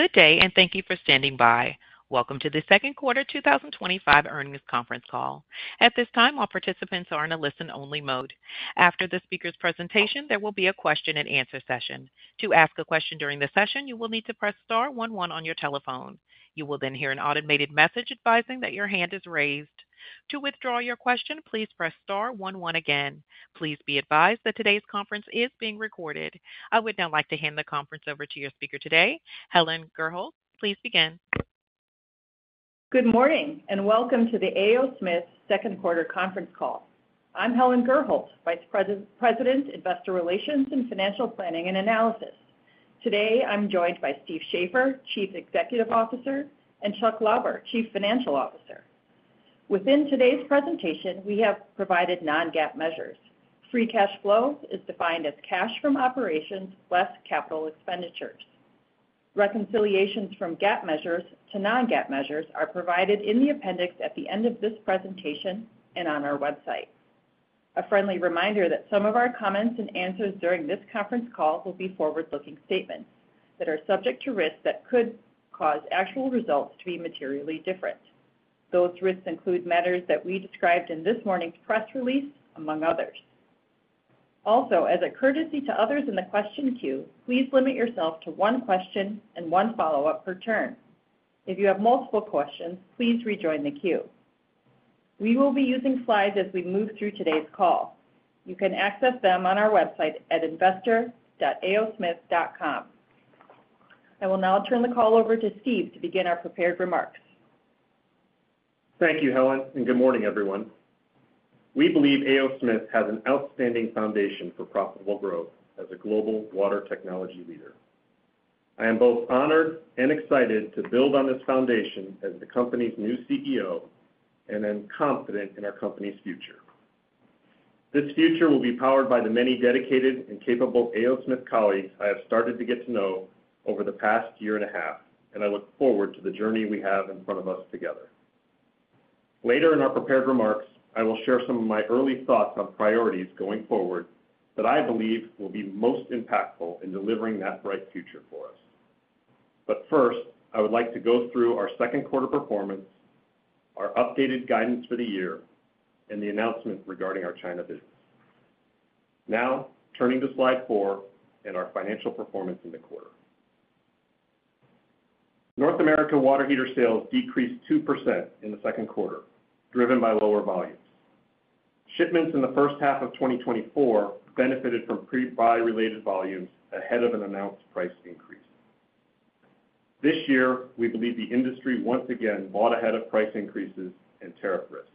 Good day, and thank you for standing by. Welcome to the Second Quarter 2025 Earnings Conference Call. At this time, all participants are in a listen-only mode. After the speaker's presentation, there will be a question-and-answer session. To ask a question during the session, you will need to press star one one on your telephone. You will then hear an automated message advising that your hand is raised. To withdraw your question, please press star one one again. Please be advised that today's conference is being recorded. I would now like to hand the conference over to your speaker today, Helen Gurholt. Please begin. Good morning, and welcome to the A. O. Smith Second Quarter Conference Call. I'm Helen Gurholt, Vice President, Investor Relations, and Financial Planning and Analysis. Today, I'm joined by Steve Shafer, Chief Executive Officer, and Chuck Lauber, Chief Financial Officer. Within today's presentation, we have provided non-GAAP measures. Free cash flow is defined as cash from operations less capital expenditures. Reconciliations from GAAP measures to non-GAAP measures are provided in the appendix at the end of this presentation and on our website. A friendly reminder that some of our comments and answers during this conference call will be forward-looking statements that are subject to risks that could cause actual results to be materially different. Those risks include matters that we described in this morning's press release, among others. Also, as a courtesy to others in the question queue, please limit yourself to one question and one follow-up per turn. If you have multiple questions, please rejoin the queue. We will be using slides as we move through today's call. You can access them on our website at investor.aosmith.com. I will now turn the call over to Steve to begin our prepared remarks. Thank you, Helen, and good morning, everyone. We believe A. O. Smith has an outstanding foundation for profitable growth as a global water technology leader. I am both honored and excited to build on this foundation as the company's new CEO and am confident in our company's future. This future will be powered by the many dedicated and capable A. O. Smith colleagues I have started to get to know over the past year and a half, and I look forward to the journey we have in front of us together. Later in our prepared remarks, I will share some of my early thoughts on priorities going forward that I believe will be most impactful in delivering that bright future for us. First, I would like to go through our second quarter performance, our updated guidance for the year, and the announcement regarding our China visits. Now, turning to slide four and our financial performance in the quarter. North America water heater sales decreased 2% in the second quarter, driven by lower volumes. Shipments in the first half of 2024 benefited from pre-buy-related volumes ahead of an announced price increase. This year, we believe the industry once again bought ahead of price increases and tariff risks.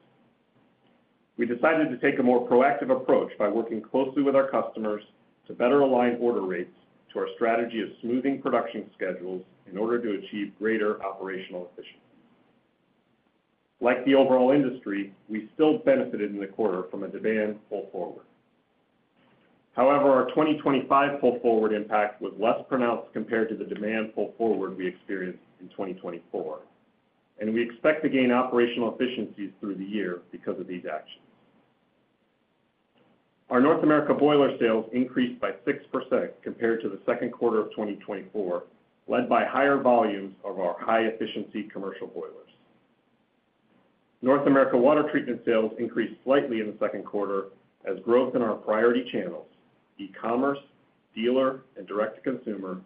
We decided to take a more proactive approach by working closely with our customers to better align order rates to our strategy of smoothing production schedules in order to achieve greater operational efficiency. Like the overall industry, we still benefited in the quarter from a demand pull forward. However, our 2025 pull forward impact was less pronounced compared to the demand pull forward we experienced in 2024. We expect to gain operational efficiencies through the year because of these actions. Our North America boiler sales increased by 6% compared to the second quarter of 2024, led by higher volumes of our high-efficiency commercial boilers. North America water treatment sales increased slightly in the second quarter as growth in our priority channels, e-commerce, dealer, and direct-to-consumer,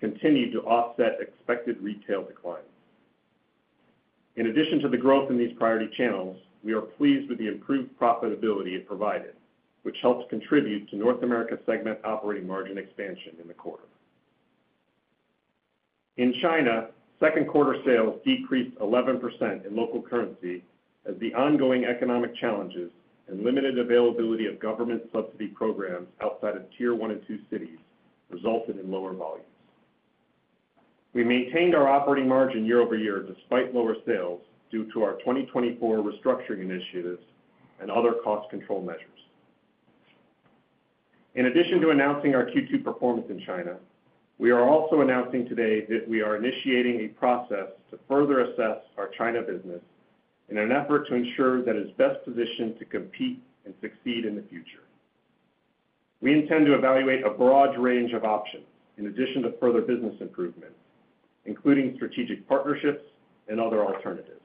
continued to offset expected retail declines. In addition to the growth in these priority channels, we are pleased with the improved profitability it provided, which helped contribute to North America segment operating margin expansion in the quarter. In China, second quarter sales decreased 11% in local currency as the ongoing economic challenges and limited availability of government subsidy programs outside of Tier 1 and 2 cities resulted in lower volumes. We maintained our operating margin year over year despite lower sales due to our 2024 restructuring initiatives and other cost control measures. In addition to announcing our Q2 performance in China, we are also announcing today that we are initiating a process to further assess our China business in an effort to ensure that it is best positioned to compete and succeed in the future. We intend to evaluate a broad range of options in addition to further business improvements, including strategic partnerships and other alternatives.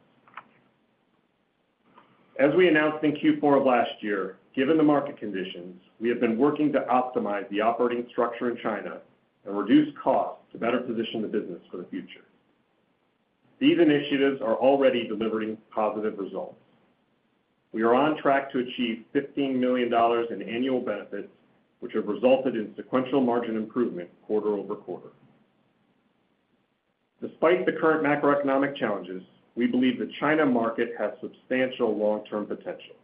As we announced in Q4 of last year, given the market conditions, we have been working to optimize the operating structure in China and reduce costs to better position the business for the future. These initiatives are already delivering positive results. We are on track to achieve $15 million in annual benefits, which have resulted in sequential margin improvement quarter-over-quarter. Despite the current macroeconomic challenges, we believe the China market has substantial long-term potential.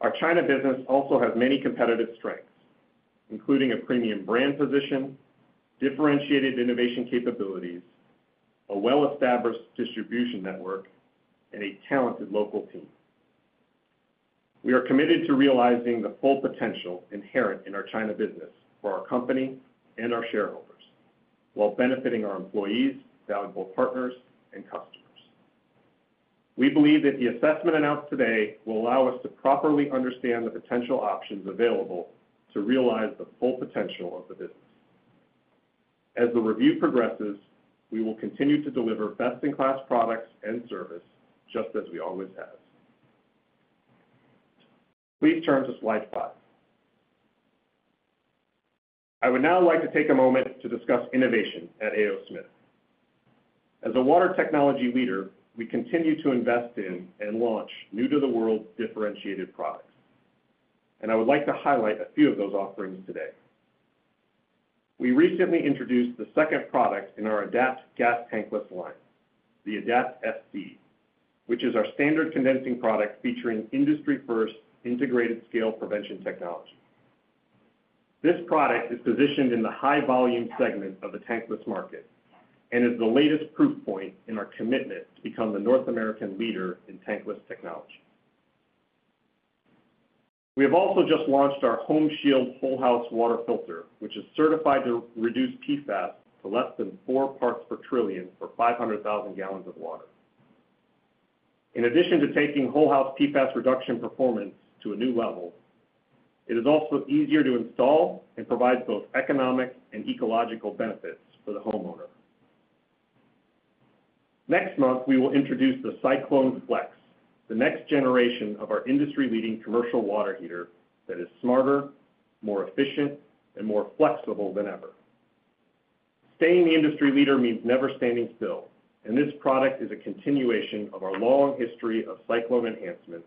Our China business also has many competitive strengths, including a premium brand position, differentiated innovation capabilities, a well-established distribution network, and a talented local team. We are committed to realizing the full potential inherent in our China business for our company and our shareholders while benefiting our employees, valuable partners, and customers. We believe that the assessment announced today will allow us to properly understand the potential options available to realize the full potential of the business. As the review progresses, we will continue to deliver best-in-class products and service, just as we always have. Please turn to slide five. I would now like to take a moment to discuss innovation at A. O. Smith. As a water technology leader, we continue to invest in and launch new-to-the-world differentiated products. I would like to highlight a few of those offerings today. We recently introduced the second product in our ADAPT gas tankless line, the ADAPT SC, which is our standard condensing product featuring industry-first integrated scale prevention technology. This product is positioned in the high-volume segment of the tankless market and is the latest proof point in our commitment to become the North American leader in tankless technology. We have also just launched our HomeShield Whole House Water Filter, which is certified to reduce PFAS to less than 4 parts per trillion for 500,000 gallons of water. In addition to taking whole house PFAS reduction performance to a new level, it is also easier to install and provides both economic and ecological benefits for the homeowner. Next month, we will introduce the Cyclone Flex, the next generation of our industry-leading commercial water heater that is smarter, more efficient, and more flexible than ever. Staying the industry leader means never standing still, and this product is a continuation of our long history of Cyclone enhancements,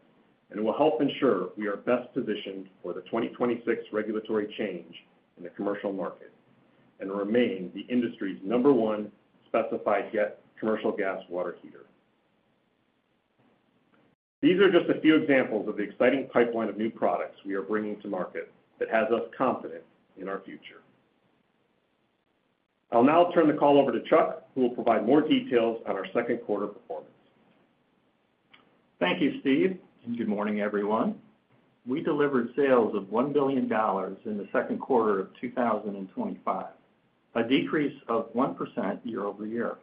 and it will help ensure we are best positioned for the 2026 regulatory change in the commercial market and remain the industry's number one specified yet commercial gas water heater. These are just a few examples of the exciting pipeline of new products we are bringing to market that has us confident in our future. I'll now turn the call over to Chuck, who will provide more details on our second quarter performance. Thank you, Steve. Good morning, everyone. We delivered sales of $1 billion in the second quarter of 2025, a decrease of 1% year-over-year.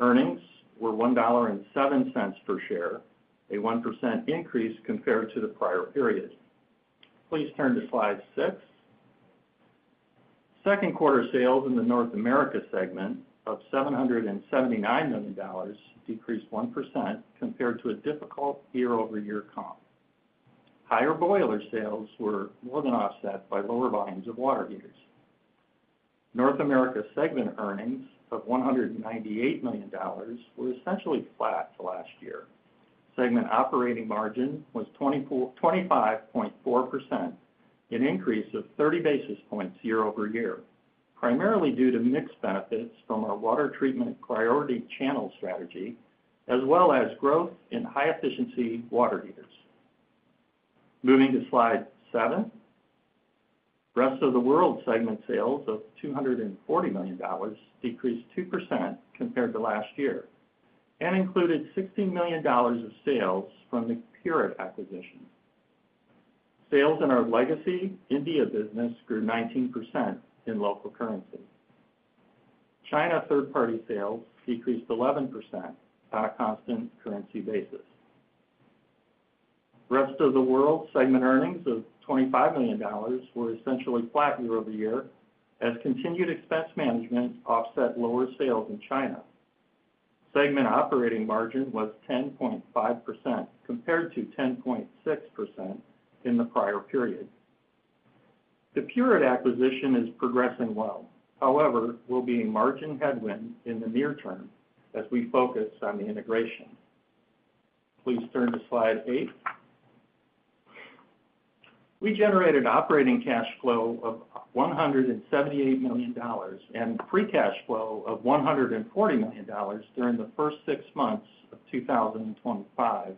Earnings were $1.07 per share, a 1% increase compared to the prior period. Please turn to slide six. Second quarter sales in the North America segment of $779 million decreased 1% compared to a difficult year-over-year comp. Higher boiler sales were more than offset by lower volumes of water heaters. North America segment earnings of $198 million were essentially flat for last year. Segment operating margin was 25.4%, an increase of 30 basis points year-over-year, primarily due to mixed benefits from our water treatment priority channel strategy, as well as growth in high-efficiency water heaters. Moving to slide seven. Rest of the world segment sales of $240 million decreased 2% compared to last year and included $16 million of sales from the Pureit acquisition. Sales in our legacy India business grew 19% in local currency. China third-party sales decreased 11% on a constant currency basis. Rest of the world segment earnings of $25 million were essentially flat year-over-year as continued expense management offset lower sales in China. Segment operating margin was 10.5% compared to 10.6% in the prior period. The Pureit acquisition is progressing well. However, it will be a margin headwind in the near term as we focus on the integration. Please turn to slide eight. We generated operating cash flow of $178 million and free cash flow of $140 million during the first six months of 2025.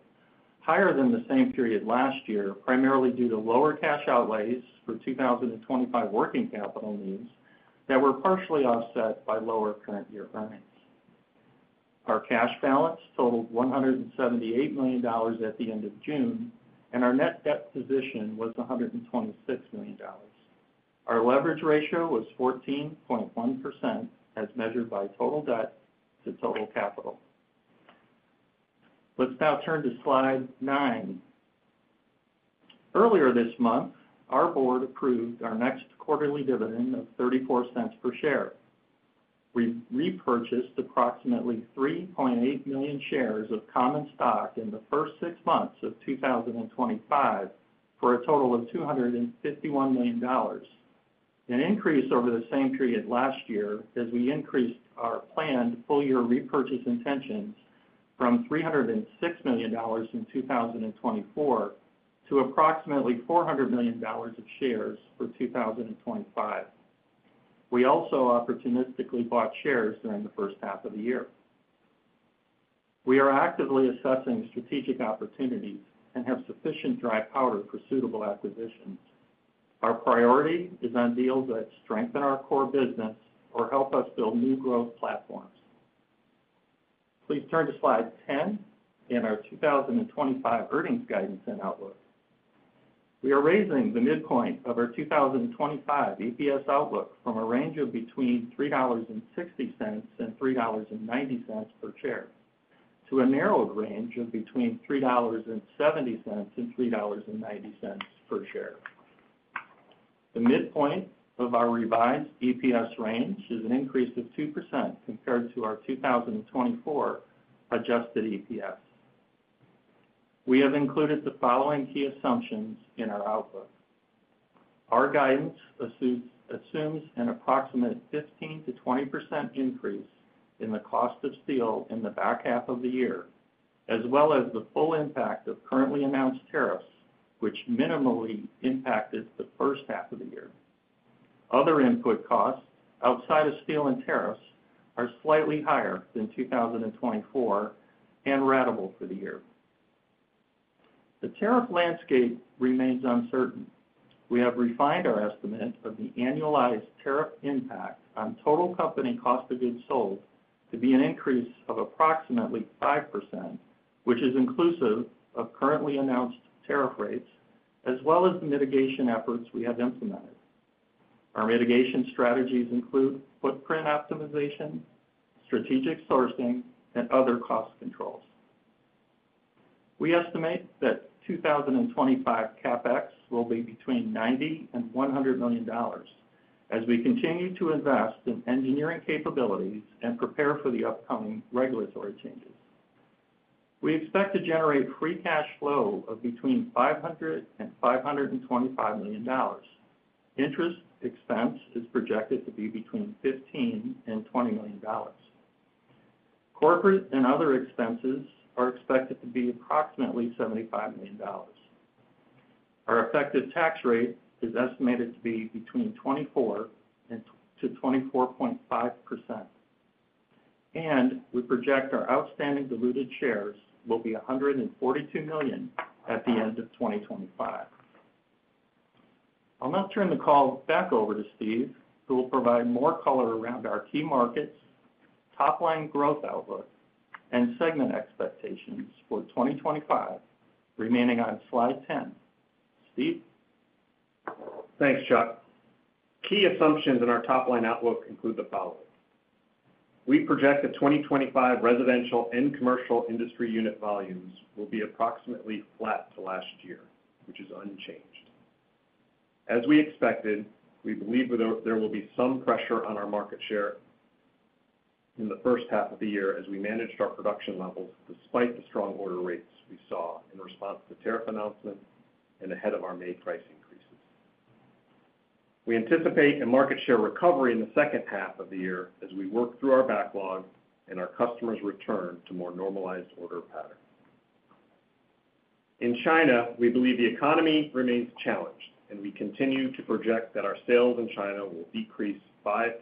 Higher than the same period last year, primarily due to lower cash outlays for 2025 working capital needs that were partially offset by lower current year earnings. Our cash balance totaled $178 million at the end of June, and our net debt position was $126 million. Our leverage ratio was 14.1% as measured by total debt to total capital. Let's now turn to slide nine. Earlier this month, our board approved our next quarterly dividend of $0.34 per share. We repurchased approximately 3.8 million shares of common stock in the first six months of 2025 for a total of $251 million. An increase over the same period last year as we increased our planned full-year repurchase intentions from $306 million in 2024 to approximately $400 million of shares for 2025. We also opportunistically bought shares during the first half of the year. We are actively assessing strategic opportunities and have sufficient dry powder for suitable acquisitions. Our priority is on deals that strengthen our core business or help us build new growth platforms. Please turn to slide 10 in our 2025 earnings guidance and outlook. We are raising the midpoint of our 2025 EPS outlook from a range of between $3.60 and $3.90 per share to a narrowed range of between $3.70 and $3.90 per share. The midpoint of our revised EPS range is an increase of 2% compared to our 2024 adjusted EPS. We have included the following key assumptions in our outlook. Our guidance assumes an approximate 15%-20% increase in the cost of steel in the back half of the year, as well as the full impact of currently announced tariffs, which minimally impacted the first half of the year. Other input costs outside of steel and tariffs are slightly higher than 2024 and ratable for the year. The tariff landscape remains uncertain. We have refined our estimate of the annualized tariff impact on total company cost of goods sold to be an increase of approximately 5%, which is inclusive of currently announced tariff rates, as well as the mitigation efforts we have implemented. Our mitigation strategies include footprint optimization, strategic sourcing, and other cost controls. We estimate that 2025 CapEx will be between $90 million and $100 million as we continue to invest in engineering capabilities and prepare for the upcoming regulatory changes. We expect to generate free cash flow of between $500 million and $525 million. Interest expense is projected to be between $15 million and $20 million. Corporate and other expenses are expected to be approximately $75 million. Our effective tax rate is estimated to be between 24%-24.5%. We project our outstanding diluted shares will be 142 million at the end of 2025. I'll now turn the call back over to Steve, who will provide more color around our key markets, top-line growth outlook, and segment expectations for 2025, remaining on slide 10. Steve? Thanks, Chuck. Key assumptions in our top-line outlook include the following. We project that 2025 residential and commercial industry unit volumes will be approximately flat to last year, which is unchanged. As we expected, we believe there will be some pressure on our market share in the first half of the year as we managed our production levels despite the strong order rates we saw in response to tariff announcements and ahead of our May price increases. We anticipate a market share recovery in the second half of the year as we work through our backlog and our customers return to more normalized order patterns. In China, we believe the economy remains challenged, and we continue to project that our sales in China will decrease 5%-8%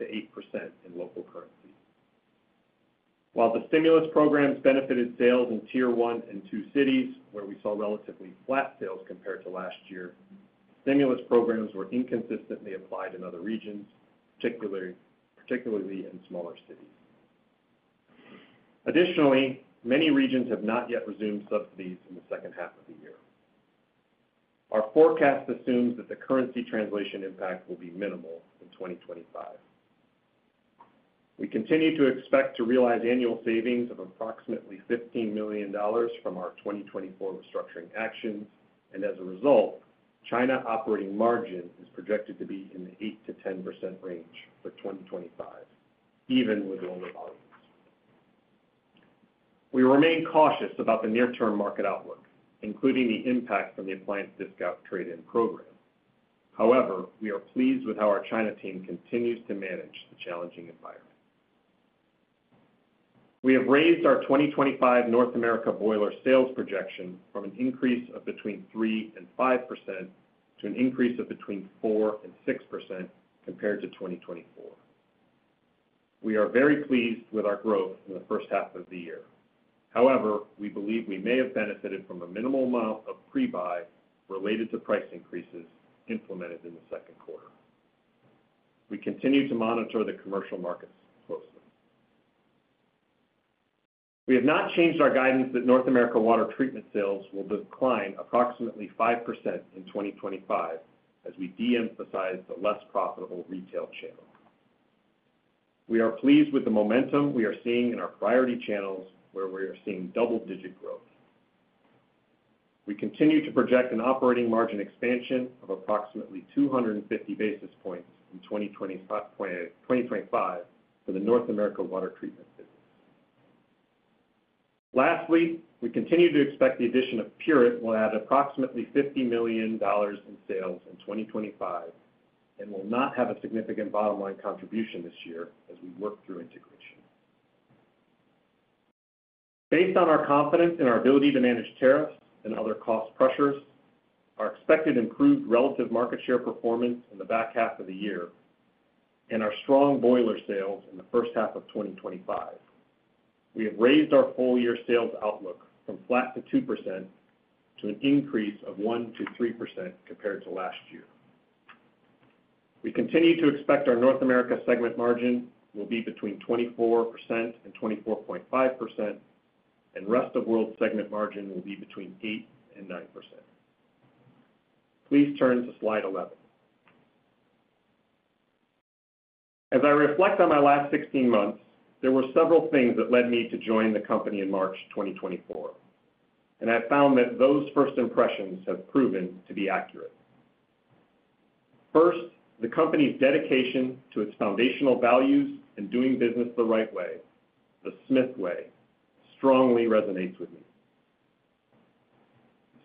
in local currency. While the stimulus programs benefited sales in Tier 1 and 2 cities, where we saw relatively flat sales compared to last year, stimulus programs were inconsistently applied in other regions, particularly in smaller cities. Additionally, many regions have not yet resumed subsidies in the second half of the year. Our forecast assumes that the currency translation impact will be minimal in 2025. We continue to expect to realize annual savings of approximately $15 million from our 2024 restructuring actions, and as a result, China operating margin is projected to be in the 8%-10% range for 2025, even with lower volumes. We remain cautious about the near-term market outlook, including the impact from the appliance discount trade-in program. However, we are pleased with how our China team continues to manage the challenging environment. We have raised our 2025 North America boiler sales projection from an increase of between 3% and 5% to an increase of between 4% and 6% compared to 2024. We are very pleased with our growth in the first half of the year. However, we believe we may have benefited from a minimal amount of pre-buy related to price increases implemented in the second quarter. We continue to monitor the commercial markets closely. We have not changed our guidance that North America water treatment sales will decline approximately 5% in 2025 as we de-emphasize the less profitable retail channel. We are pleased with the momentum we are seeing in our priority channels, where we are seeing double-digit growth. We continue to project an operating margin expansion of approximately 250 basis points in 2025 for the North America water treatment business. Lastly, we continue to expect the addition of Pureit will add approximately $50 million in sales in 2025 and will not have a significant bottom-line contribution this year as we work through integration. Based on our confidence in our ability to manage tariffs and other cost pressures, our expected improved relative market share performance in the back half of the year, and our strong boiler sales in the first half of 2025, we have raised our full-year sales outlook from flat to 2% to an increase of 1%-3% compared to last year. We continue to expect our North America segment margin will be between 24% and 24.5%. Rest of World segment margin will be between 8% and 9%. Please turn to slide 11. As I reflect on my last 16 months, there were several things that led me to join the company in March 2024. I found that those first impressions have proven to be accurate. First, the company's dedication to its foundational values and doing business the right way, the Smith way, strongly resonates with me.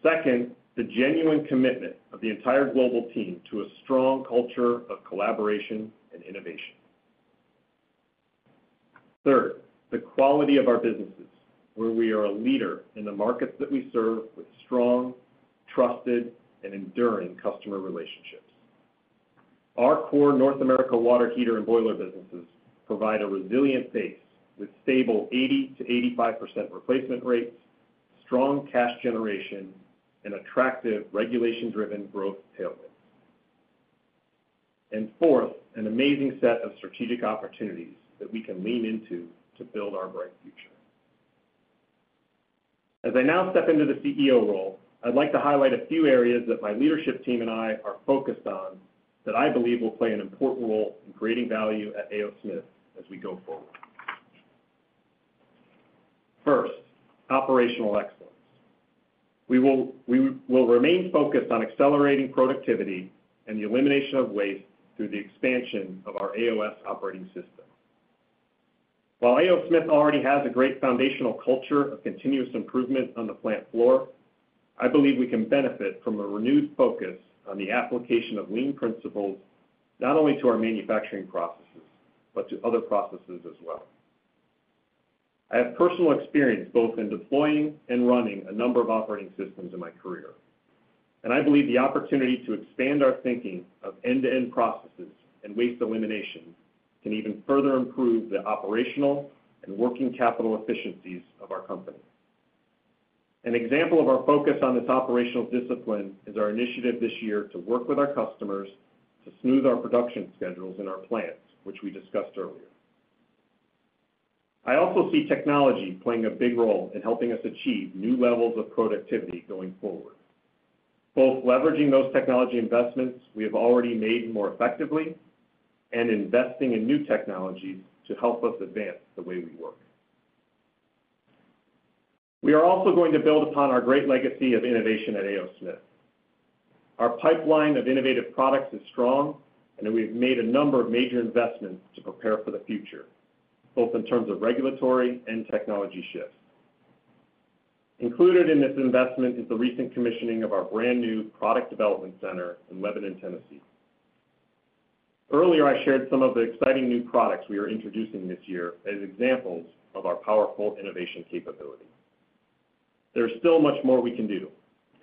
Second, the genuine commitment of the entire global team to a strong culture of collaboration and innovation. Third, the quality of our businesses, where we are a leader in the markets that we serve with strong, trusted, and enduring customer relationships. Our core North America water heater and boiler businesses provide a resilient base with stable 80%-85% replacement rates, strong cash generation, and attractive regulation-driven growth tailwinds. Fourth, an amazing set of strategic opportunities that we can lean into to build our bright future. As I now step into the CEO role, I would like to highlight a few areas that my leadership team and I are focused on that I believe will play an important role in creating value at A. O. Smith as we go forward. First, operational excellence. We will remain focused on accelerating productivity and the elimination of waste through the expansion of our AOS operating system. While A. O. Smith already has a great foundational culture of continuous improvement on the plant floor, I believe we can benefit from a renewed focus on the application of lean principles not only to our manufacturing processes, but to other processes as well. I have personal experience both in deploying and running a number of operating systems in my career. I believe the opportunity to expand our thinking of end-to-end processes and waste elimination can even further improve the operational and working capital efficiencies of our company. An example of our focus on this operational discipline is our initiative this year to work with our customers to smooth our production schedules in our plants, which we discussed earlier. I also see technology playing a big role in helping us achieve new levels of productivity going forward. Both leveraging those technology investments we have already made more effectively and investing in new technologies to help us advance the way we work. We are also going to build upon our great legacy of innovation at A. O. Smith. Our pipeline of innovative products is strong, and we have made a number of major investments to prepare for the future, both in terms of regulatory and technology shifts. Included in this investment is the recent commissioning of our brand new product development center in Lebanon, Tennessee. Earlier, I shared some of the exciting new products we are introducing this year as examples of our powerful innovation capability. There is still much more we can do,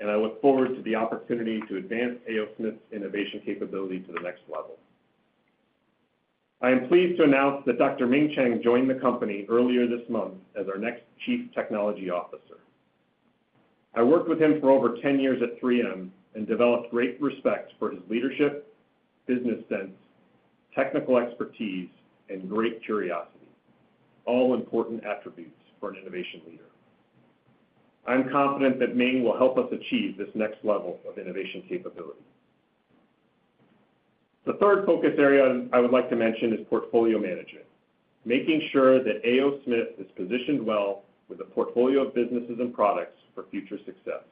and I look forward to the opportunity to advance A. O. Smith's innovation capability to the next level. I am pleased to announce that Dr. Ming Cheng joined the company earlier this month as our next Chief Technology Officer. I worked with him for over 10 years at 3M and developed great respect for his leadership, business sense, technical expertise, and great curiosity, all important attributes for an innovation leader. I'm confident that Ming will help us achieve this next level of innovation capability. The third focus area I would like to mention is portfolio management, making sure that A. O. Smith is positioned well with a portfolio of businesses and products for future success.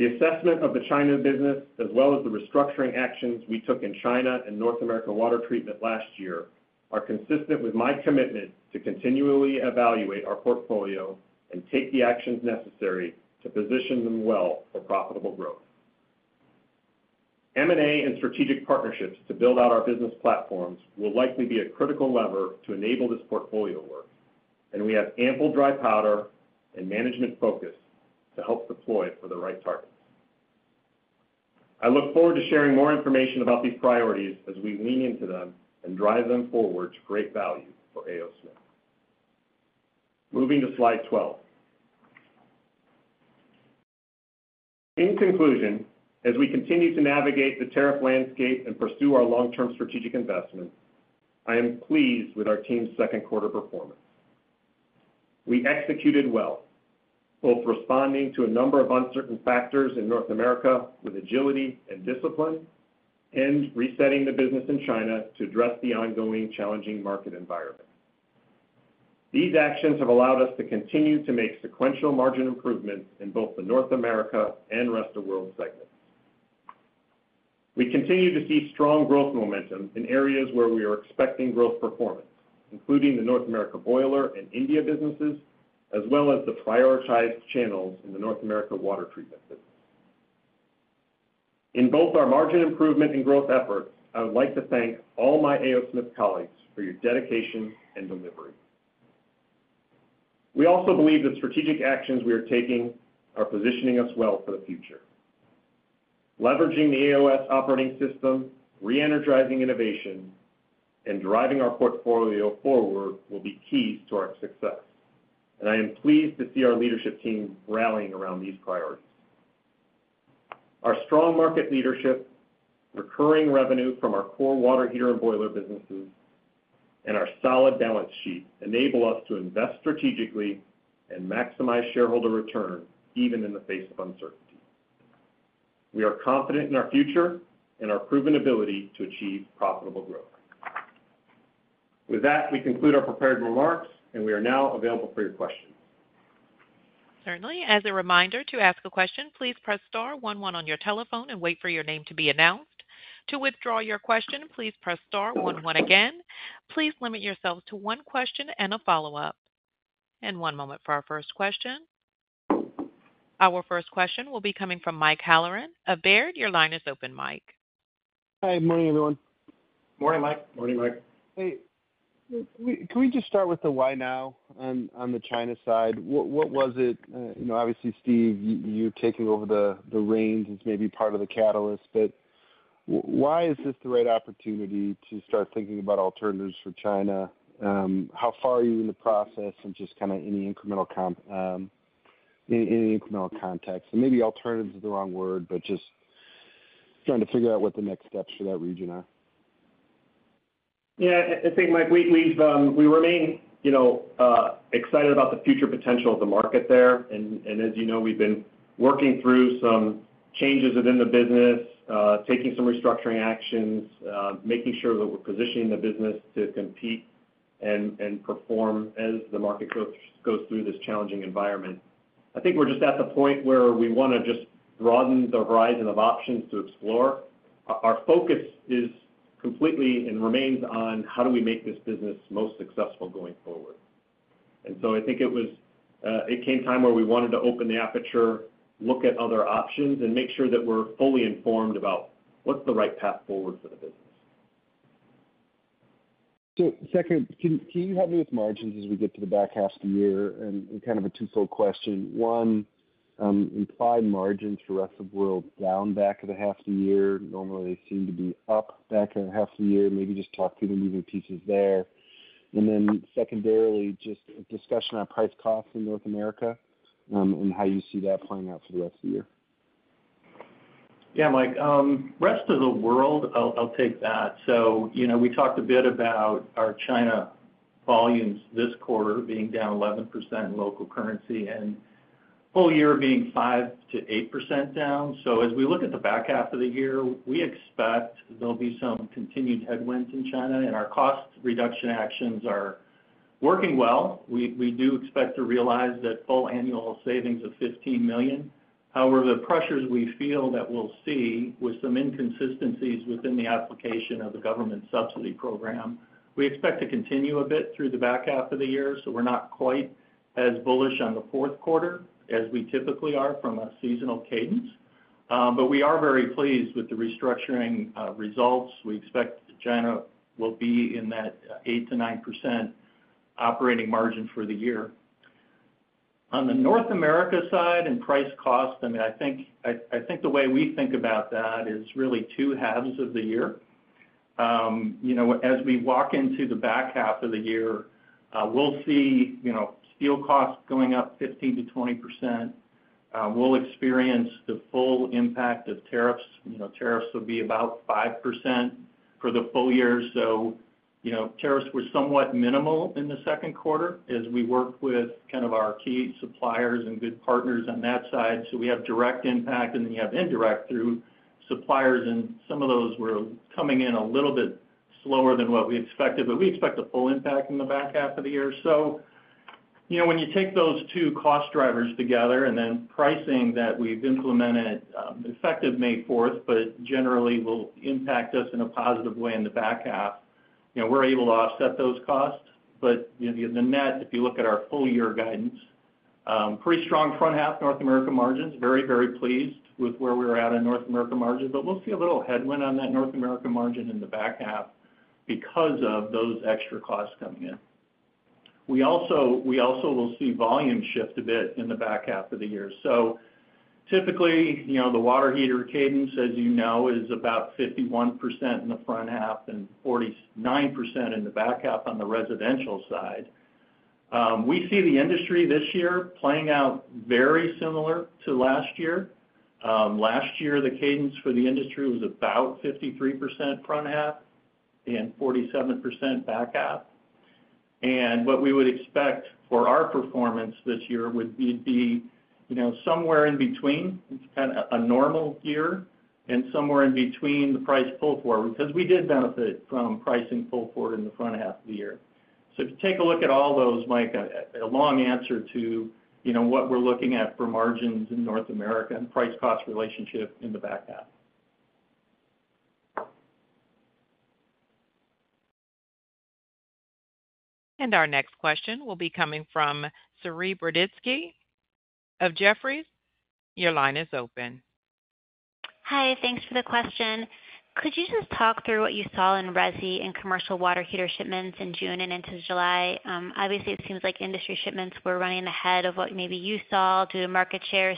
The assessment of the China business, as well as the restructuring actions we took in China and North America water treatment last year, are consistent with my commitment to continually evaluate our portfolio and take the actions necessary to position them well for profitable growth. M&A and strategic partnerships to build out our business platforms will likely be a critical lever to enable this portfolio work, and we have ample dry powder and management focus to help deploy it for the right targets. I look forward to sharing more information about these priorities as we lean into them and drive them forward to great value for A. O. Smith. Moving to slide 12. In conclusion, as we continue to navigate the tariff landscape and pursue our long-term strategic investments, I am pleased with our team's second-quarter performance. We executed well, both responding to a number of uncertain factors in North America with agility and discipline and resetting the business in China to address the ongoing challenging market environment. These actions have allowed us to continue to make sequential margin improvements in both the North America and Rest of World segments. We continue to see strong growth momentum in areas where we are expecting growth performance, including the North America boiler and India businesses, as well as the prioritized channels in the North America water treatment business. In both our margin improvement and growth efforts, I would like to thank all my A. O. Smith colleagues for your dedication and delivery. We also believe the strategic actions we are taking are positioning us well for the future. Leveraging the AOS operating system, re-energizing innovation, and driving our portfolio forward will be keys to our success. I am pleased to see our leadership team rallying around these priorities. Our strong market leadership, recurring revenue from our core water heater and boiler businesses, and our solid balance sheet enable us to invest strategically and maximize shareholder return even in the face of uncertainty. We are confident in our future and our proven ability to achieve profitable growth. With that, we conclude our prepared remarks, and we are now available for your questions. Certainly. As a reminder to ask a question, please press star one one on your telephone and wait for your name to be announced. To withdraw your question, please press star one one again. Please limit yourselves to one question and a follow-up. One moment for our first question. Our first question will be coming from Mike Halloran of Baird. Mike, your line is open. Hi. Morning, everyone. Morning, Mike. Morning, Mike. Hey. Can we just start with the why now on the China side? What was it? Obviously, Steve, you taking over the reins is maybe part of the catalyst, but why is this the right opportunity to start thinking about alternatives for China? How far are you in the process and just kind of any incremental context? And maybe alternatives is the wrong word, but just trying to figure out what the next steps for that region are. Yeah. I think, Mike, we remain excited about the future potential of the market there. As you know, we've been working through some changes within the business, taking some restructuring actions, making sure that we're positioning the business to compete and perform as the market goes through this challenging environment. I think we're just at the point where we want to just broaden the horizon of options to explore. Our focus is completely and remains on how do we make this business most successful going forward. I think it came time where we wanted to open the aperture, look at other options, and make sure that we're fully informed about what's the right path forward for the business. Second, can you help me with margins as we get to the back half of the year? Kind of a two-fold question. One, implied margins for Rest of World down back of the half of the year. Normally, they seem to be up back of the half of the year. Maybe just talk through the moving pieces there. Then secondarily, just discussion on price costs in North America and how you see that playing out for the rest of the year. Yeah, Mike. Rest of the world, I'll take that. So we talked a bit about our China volumes this quarter being down 11% in local currency and full year being 5%-8% down. As we look at the back half of the year, we expect there'll be some continued headwinds in China, and our cost reduction actions are working well. We do expect to realize that full annual savings of $15 million. However, the pressures we feel that we'll see with some inconsistencies within the application of the government subsidy program, we expect to continue a bit through the back half of the year. We're not quite as bullish on the fourth quarter as we typically are from a seasonal cadence. We are very pleased with the restructuring results. We expect China will be in that 8%-9% operating margin for the year. On the North America side and price cost, I mean, I think the way we think about that is really two halves of the year. As we walk into the back half of the year, we'll see steel costs going up 15%-20%. We'll experience the full impact of tariffs. Tariffs will be about 5% for the full year. Tariffs were somewhat minimal in the second quarter as we worked with kind of our key suppliers and good partners on that side. We have direct impact, and then you have indirect through suppliers, and some of those were coming in a little bit slower than what we expected, but we expect the full impact in the back half of the year. When you take those two cost drivers together and then pricing that we've implemented effective May 4th, but generally will impact us in a positive way in the back half, we're able to offset those costs. The net, if you look at our full year guidance, pretty strong front half North America margins, very, very pleased with where we were at in North America margins. We'll see a little headwind on that North America margin in the back half because of those extra costs coming in. We also will see volume shift a bit in the back half of the year. Typically, the water heater cadence, as you know, is about 51% in the front half and 49% in the back half on the residential side. We see the industry this year playing out very similar to last year. Last year, the cadence for the industry was about 53% front half and 47% back half. What we would expect for our performance this year would be somewhere in between kind of a normal year and somewhere in between the price pull forward because we did benefit from pricing pull forward in the front half of the year. If you take a look at all those, Mike, a long answer to what we're looking at for margins in North America and price cost relationship in the back half. Our next question will be coming from Saree Boroditsky of Jefferies. Your line is open. Hi. Thanks for the question. Could you just talk through what you saw in resi and commercial water heater shipments in June and into July? Obviously, it seems like industry shipments were running ahead of what maybe you saw due to market share.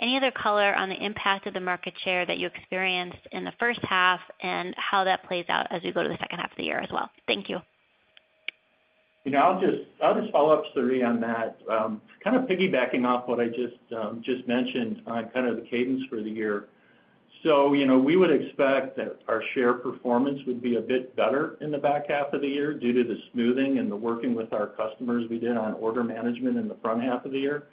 Any other color on the impact of the market share that you experienced in the first half and how that plays out as we go to the second half of the year as well? Thank you. I'll just follow up, Saree, on that. Kind of piggybacking off what I just mentioned on kind of the cadence for the year. We would expect that our share performance would be a bit better in the back half of the year due to the smoothing and the working with our customers we did on order management in the front half of the year.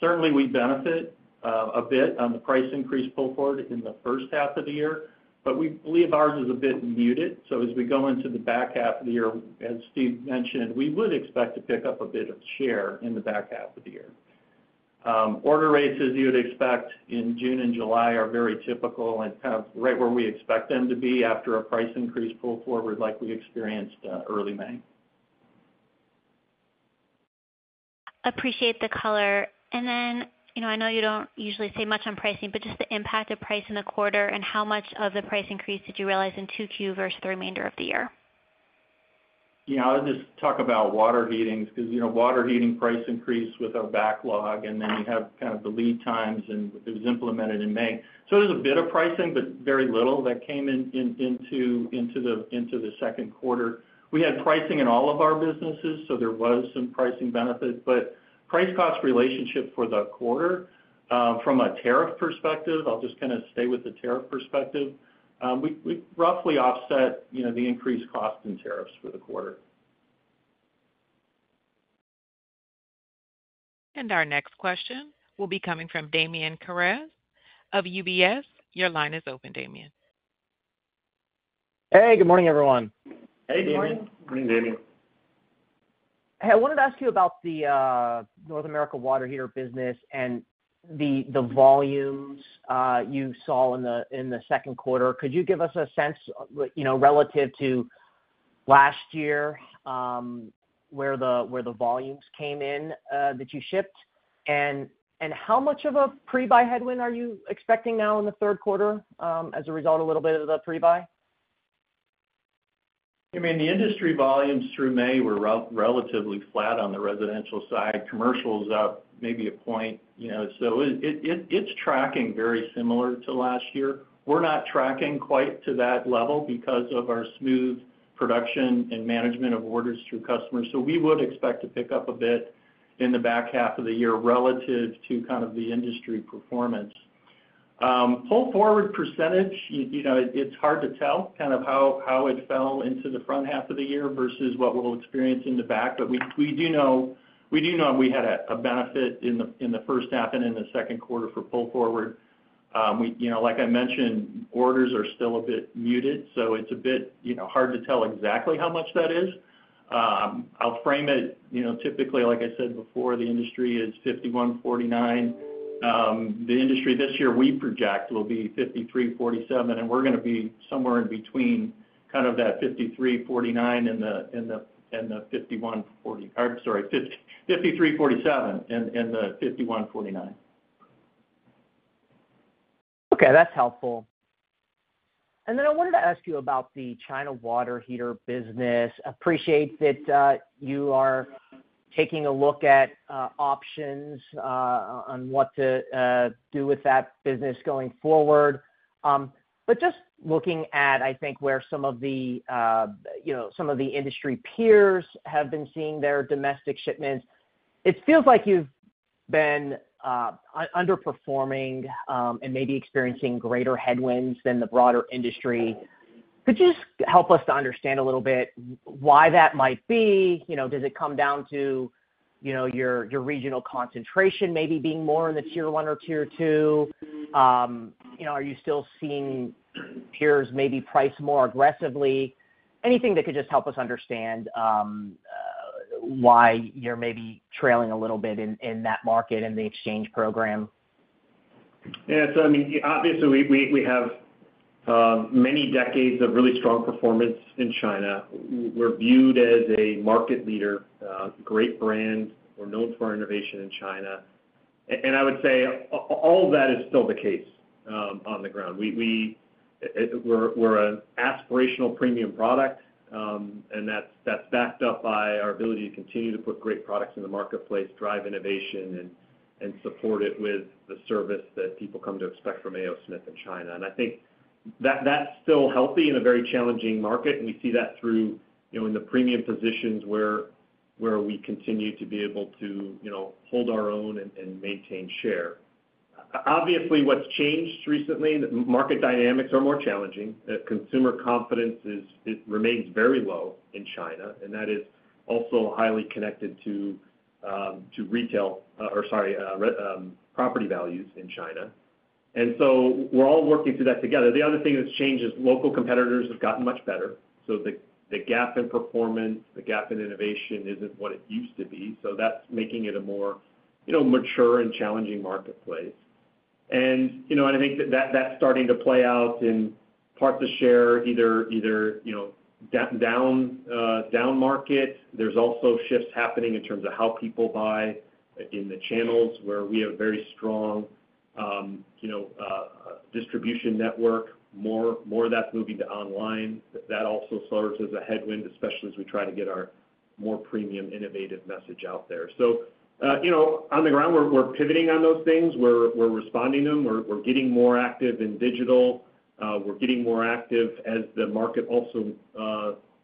Certainly, we benefit a bit on the price increase pull forward in the first half of the year, but we believe ours is a bit muted. As we go into the back half of the year, as Steve mentioned, we would expect to pick up a bit of share in the back half of the year. Order rates, as you would expect in June and July, are very typical and kind of right where we expect them to be after a price increase pull forward like we experienced early May. Appreciate the color. I know you don't usually say much on pricing, but just the impact of price in the quarter and how much of the price increase did you realize in 2Q versus the remainder of the year? Yeah. I'll just talk about water heating because water heating price increased with our backlog, and then you have kind of the lead times, and it was implemented in May. There is a bit of pricing, but very little that came into the second quarter. We had pricing in all of our businesses, so there was some pricing benefit. Price cost relationship for the quarter, from a tariff perspective, I'll just kind of stay with the tariff perspective. We roughly offset the increased cost in tariffs for the quarter. Our next question will be coming from Damian Karas of UBS. Your line is open, Damian. Hey. Good morning, everyone. Hey, Damien. Morning, Damien. Hey, I wanted to ask you about the North America water heater business and the volumes you saw in the second quarter. Could you give us a sense relative to last year where the volumes came in that you shipped? And how much of a pre-buy headwind are you expecting now in the third quarter as a result of a little bit of the pre-buy? I mean, the industry volumes through May were relatively flat on the residential side. Commercial is up maybe a point. It is tracking very similar to last year. We are not tracking quite to that level because of our smooth production and management of orders through customers. We would expect to pick up a bit in the back half of the year relative to kind of the industry performance. Pull forward percentage, it is hard to tell kind of how it fell into the front half of the year versus what we will experience in the back. We do know we had a benefit in the first half and in the second quarter for pull forward. Like I mentioned, orders are still a bit muted, so it is a bit hard to tell exactly how much that is. I will frame it typically, like I said before, the industry is 51%/49%. The industry this year we project will be 53%/47%, and we are going to be somewhere in between kind of that 53%/47% and the 51%/49%. Okay. That's helpful. I wanted to ask you about the China water heater business. Appreciate that you are taking a look at options on what to do with that business going forward. Just looking at, I think, where some of the industry peers have been seeing their domestic shipments, it feels like you've been underperforming and maybe experiencing greater headwinds than the broader industry. Could you just help us to understand a little bit why that might be? Does it come down to your regional concentration maybe being more in the Tier 1 or Tier 2? Are you still seeing peers maybe price more aggressively? Anything that could just help us understand why you're maybe trailing a little bit in that market and the exchange program? Yeah. So I mean, obviously, we have many decades of really strong performance in China. We're viewed as a market leader, great brand. We're known for our innovation in China. I would say all of that is still the case on the ground. We're an aspirational premium product, and that's backed up by our ability to continue to put great products in the marketplace, drive innovation, and support it with the service that people come to expect from A. O. Smith in China. I think that's still healthy in a very challenging market. We see that through in the premium positions where we continue to be able to hold our own and maintain share. Obviously, what's changed recently, market dynamics are more challenging. Consumer confidence remains very low in China, and that is also highly connected to retail or, sorry, property values in China. We're all working through that together. The other thing that's changed is local competitors have gotten much better. The gap in performance, the gap in innovation isn't what it used to be. That's making it a more mature and challenging marketplace. I think that that's starting to play out in parts of share, either down market. There's also shifts happening in terms of how people buy in the channels where we have very strong distribution network. More of that's moving to online. That also serves as a headwind, especially as we try to get our more premium innovative message out there. On the ground, we're pivoting on those things. We're responding to them. We're getting more active in digital. We're getting more active as the market also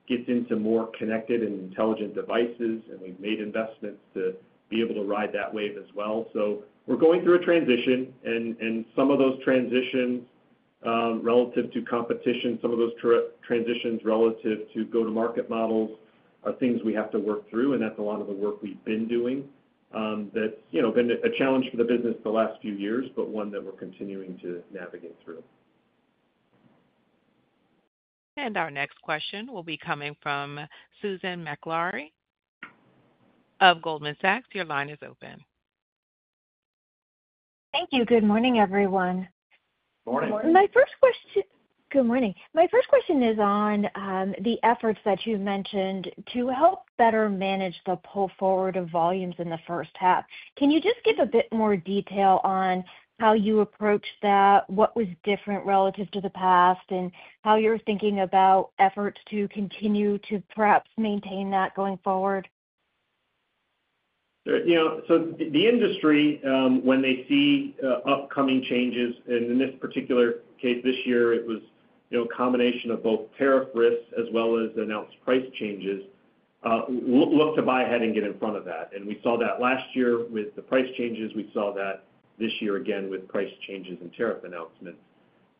gets into more connected and intelligent devices, and we've made investments to be able to ride that wave as well. We're going through a transition, and some of those transitions relative to competition, some of those transitions relative to go-to-market models are things we have to work through, and that's a lot of the work we've been doing. That's been a challenge for the business the last few years, but one that we're continuing to navigate through. Our next question will be coming from Susan Maklari of Goldman Sachs. Your line is open. Thank you. Good morning, everyone. Good morning. My first question, good morning. My first question is on the efforts that you mentioned to help better manage the pull forward of volumes in the first half. Can you just give a bit more detail on how you approached that, what was different relative to the past, and how you're thinking about efforts to continue to perhaps maintain that going forward? The industry, when they see upcoming changes, and in this particular case, this year, it was a combination of both tariff risks as well as announced price changes, look to buy ahead and get in front of that. We saw that last year with the price changes. We saw that this year again with price changes and tariff announcements.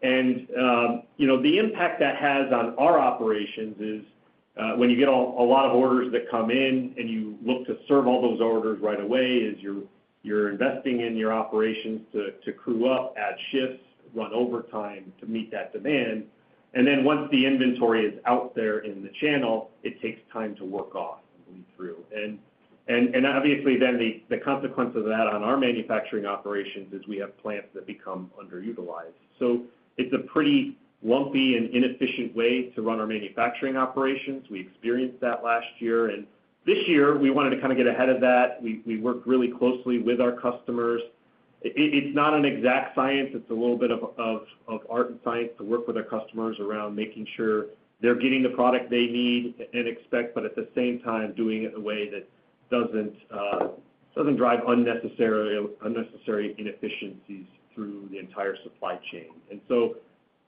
The impact that has on our operations is when you get a lot of orders that come in and you look to serve all those orders right away, you're investing in your operations to crew up, add shifts, run overtime to meet that demand. Once the inventory is out there in the channel, it takes time to work off and bleed through. Obviously, then the consequence of that on our manufacturing operations is we have plants that become underutilized. It is a pretty lumpy and inefficient way to run our manufacturing operations. We experienced that last year. This year, we wanted to kind of get ahead of that. We worked really closely with our customers. It is not an exact science. It is a little bit of art and science to work with our customers around making sure they're getting the product they need and expect, but at the same time, doing it in a way that does not drive unnecessary inefficiencies through the entire supply chain.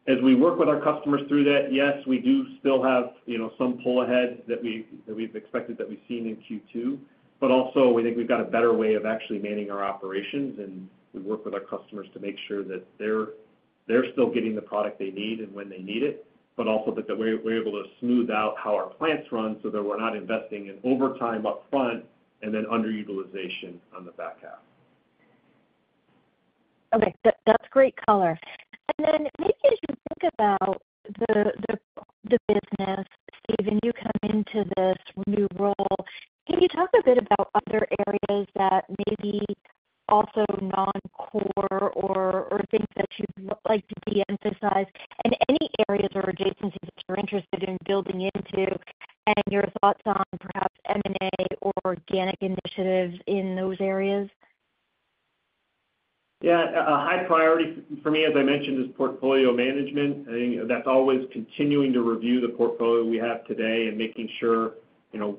As we work with our customers through that, yes, we do still have some pull ahead that we've expected that we've seen in Q2. We think we've got a better way of actually manning our operations, and we work with our customers to make sure that they're still getting the product they need and when they need it, but also that we're able to smooth out how our plants run so that we're not investing in overtime upfront and then underutilization on the back half. Okay. That's great color. Maybe as you think about the business, Steve, you come into this new role, can you talk a bit about other areas that may be also non-core or things that you'd like to de-emphasize and any areas or adjacencies that you're interested in building into and your thoughts on perhaps M&A or organic initiatives in those areas? Yeah. A high priority for me, as I mentioned, is portfolio management. I think that's always continuing to review the portfolio we have today and making sure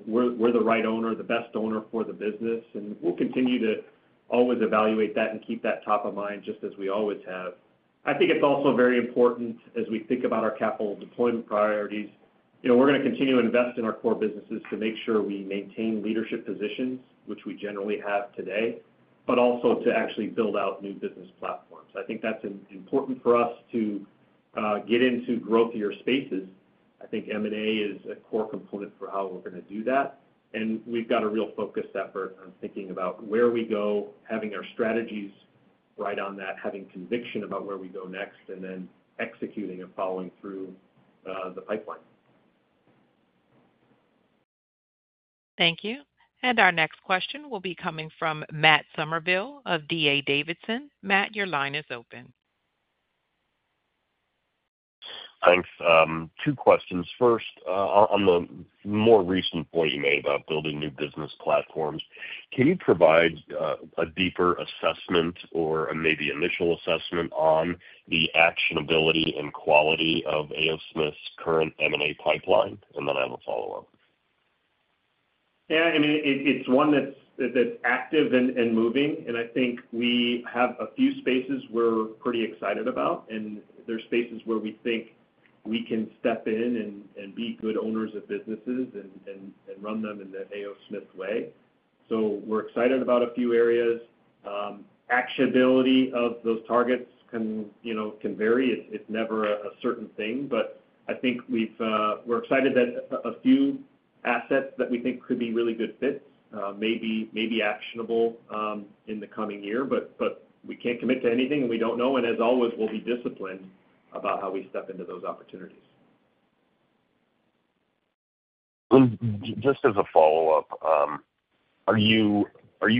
we're the right owner, the best owner for the business. We'll continue to always evaluate that and keep that top of mind just as we always have. I think it's also very important as we think about our capital deployment priorities. We're going to continue to invest in our core businesses to make sure we maintain leadership positions, which we generally have today, but also to actually build out new business platforms. I think that's important for us to get into growthier spaces. I think M&A is a core component for how we're going to do that. We've got a real focus effort on thinking about where we go, having our strategies right on that, having conviction about where we go next, and then executing and following through the pipeline. Thank you. Our next question will be coming from Matt Summerville of D.A. Davidson. Matt, your line is open. Thanks. Two questions. First, on the more recent point you made about building new business platforms, can you provide a deeper assessment or maybe initial assessment on the actionability and quality of A. O. Smith's current M&A pipeline? I have a follow-up. Yeah. I mean, it's one that's active and moving. I think we have a few spaces we're pretty excited about. There are spaces where we think we can step in and be good owners of businesses and run them in the A. O. Smith way. We're excited about a few areas. Actionability of those targets can vary. It's never a certain thing. I think we're excited that a few assets that we think could be really good fits may be actionable in the coming year, but we can't commit to anything, and we don't know. As always, we'll be disciplined about how we step into those opportunities. Just as a follow-up. Are you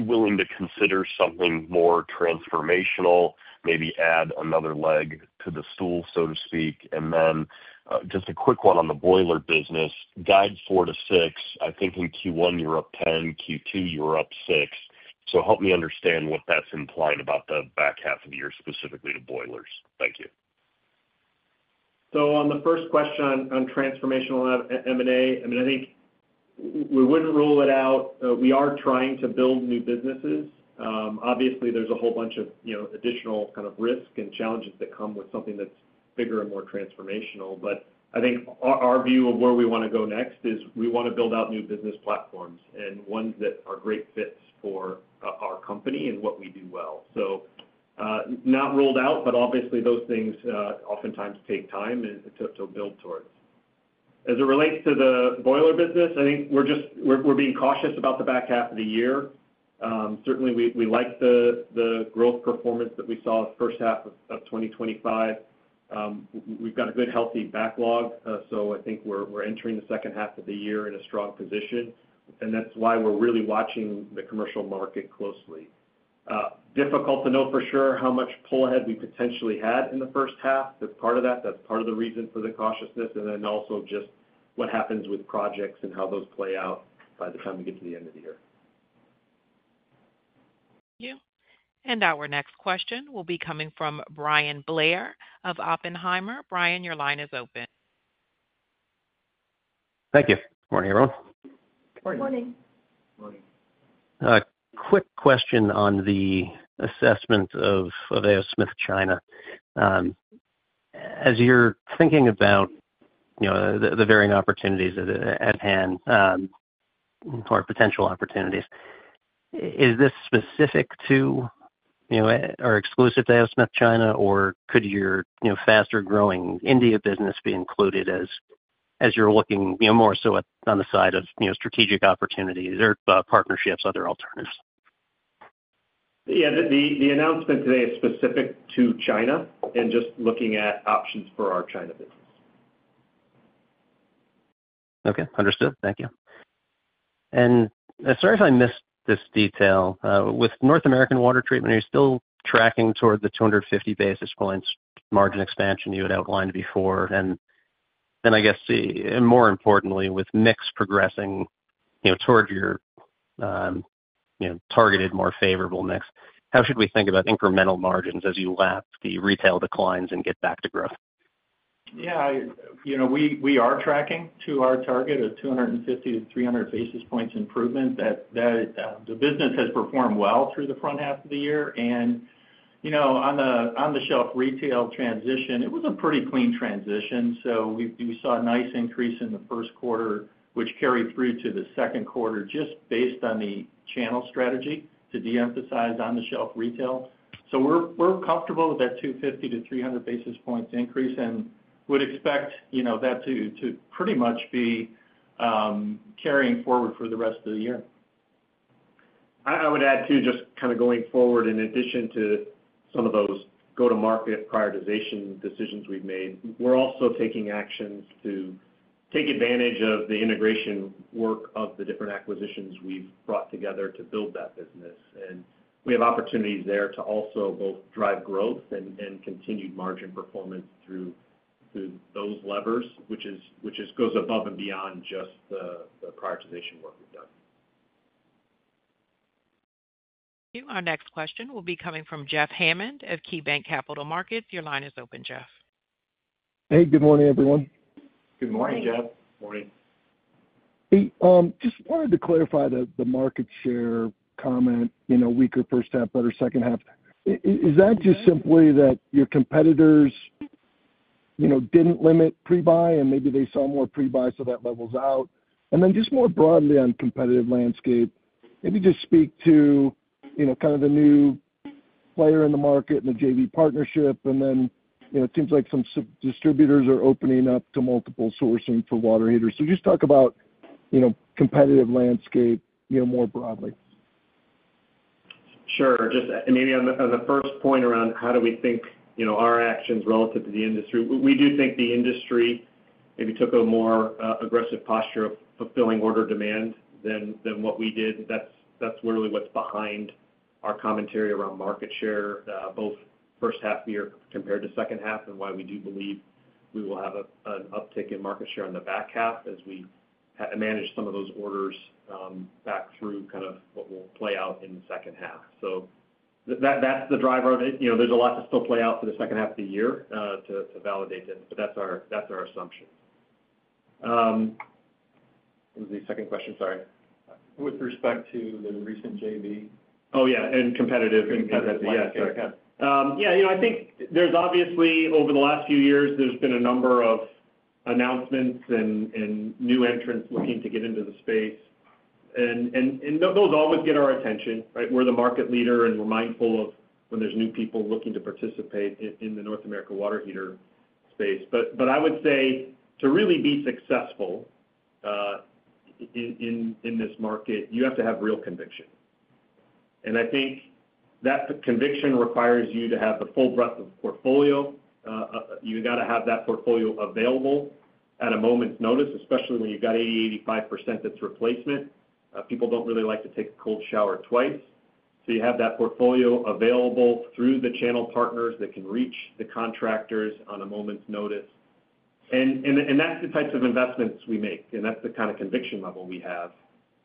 willing to consider something more transformational, maybe add another leg to the stool, so to speak? Just a quick one on the boiler business. Guide 4%-6%, I think in Q1 you're up 10, Q2 you're up 6. Help me understand what that's implying about the back half of the year specifically to boilers? Thank you. On the first question on transformational M&A, I mean, I think we wouldn't rule it out. We are trying to build new businesses. Obviously, there's a whole bunch of additional kind of risk and challenges that come with something that's bigger and more transformational. I think our view of where we want to go next is we want to build out new business platforms and ones that are great fits for our company and what we do well. Not ruled out, but obviously, those things oftentimes take time to build towards. As it relates to the boiler business, I think we're being cautious about the back half of the year. Certainly, we like the growth performance that we saw the first half of 2025. We've got a good healthy backlog. I think we're entering the second half of the year in a strong position. That's why we're really watching the commercial market closely. Difficult to know for sure how much pull ahead we potentially had in the first half. That's part of that. That's part of the reason for the cautiousness. Also just what happens with projects and how those play out by the time we get to the end of the year. Thank you. Our next question will be coming from Bryan Blair of Oppenheimer. Bryan, your line is open. Thank you. Good morning, everyone. Good morning. Quick question on the assessment of A. O. Smith, China. As you're thinking about the varying opportunities at hand or potential opportunities, is this specific to or exclusive to A. O. Smith, China, or could your faster-growing India business be included as you're looking more so on the side of strategic opportunities or partnerships, other alternatives? Yeah. The announcement today is specific to China and just looking at options for our China business. Okay. Understood. Thank you. Sorry if I missed this detail. With North American water treatment, are you still tracking toward the 250 basis points margin expansion you had outlined before? I guess, more importantly, with mix progressing toward your targeted, more favorable mix, how should we think about incremental margins as you lapse the retail declines and get back to growth? Yeah. We are tracking to our target of 250 to 300 basis points improvement. The business has performed well through the front half of the year. On-the-shelf retail transition, it was a pretty clean transition. We saw a nice increase in the first quarter, which carried through to the second quarter just based on the channel strategy to de-emphasize on-the-shelf retail. We are comfortable with that 250 to 300 basis points increase and would expect that to pretty much be carrying forward for the rest of the year. I would add too, just kind of going forward, in addition to some of those go-to-market prioritization decisions we have made, we are also taking actions to take advantage of the integration work of the different acquisitions we have brought together to build that business. We have opportunities there to also both drive growth and continued margin performance through those levers, which goes above and beyond just the prioritization work we have done. Thank you. Our next question will be coming from Jeff Hammond of KeyBanc Capital Markets. Your line is open, Jeff. Hey, good morning, everyone. Good morning, Jeff. Good morning. Hey, just wanted to clarify the market share comment, weaker first half, better second half. Is that just simply that your competitors did not limit pre-buy and maybe they saw more pre-buy, so that levels out? Just more broadly on the competitive landscape, maybe just speak to kind of the new player in the market and the JV partnership. It seems like some distributors are opening up to multiple sourcing for water heaters. Just talk about the competitive landscape more broadly. Sure. Maybe on the first point around how do we think our actions relative to the industry, we do think the industry maybe took a more aggressive posture of fulfilling order demand than what we did. That is really what is behind our commentary around market share, both first half of the year compared to second half, and why we do believe we will have an uptick in market share in the back half as we manage some of those orders back through kind of what will play out in the second half. That is the drive road. There is a lot to still play out for the second half of the year to validate this, but that is our assumption. What was the second question? Sorry. With respect to the recent JV? Oh, yeah. And competitive. Yeah. I think there is obviously, over the last few years, there has been a number of announcements and new entrants looking to get into the space. Those always get our attention, right? We are the market leader, and we are mindful of when there are new people looking to participate in the North America water heater space. I would say to really be successful in this market, you have to have real conviction. I think that conviction requires you to have the full breadth of portfolio. You have got to have that portfolio available at a moment's notice, especially when you have got 80%-85% that is replacement. People do not really like to take a cold shower twice. You have that portfolio available through the channel partners that can reach the contractors on a moment's notice. That is the types of investments we make. That is the kind of conviction level we have